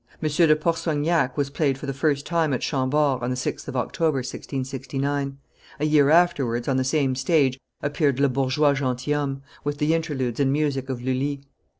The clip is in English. Monsieur de Pourceaugnac was played for the first time at Chambord, on the 6th of October, 1669; a year afterwards, on the same stage, appeared Le Bourgeois Gentilhomme, with the interludes and music of Lulli.